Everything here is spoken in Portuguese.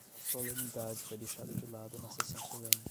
A solenidade foi deixada de lado na sessão solene